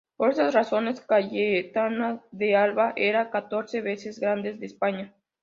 Por estas razones, Cayetana de Alba era catorce veces Grande de España.